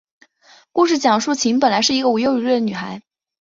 故事讲述琴本来是一个无忧无虑的女孩。